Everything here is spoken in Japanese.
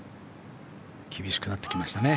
厳しくなってきましたね。